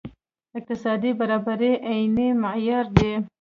اقتصادي برابري عیني معیار دی.